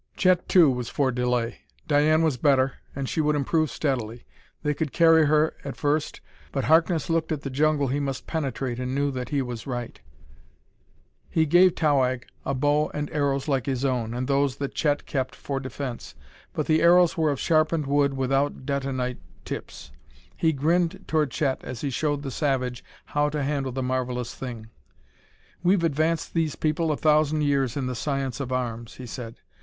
Chet, too, was for delay Diane was better, and she would improve steadily. They could carry her, at first. But Harkness looked at the jungle he must penetrate and knew that he was right. He gave Towahg a bow and arrows like his own and those that Chet kept for defense, but the arrows were of sharpened wood without detonite tips. He grinned toward Chet as he showed the savage how to handle the marvellous thing. "We've advanced these people a thousand years in the science of arms," he said.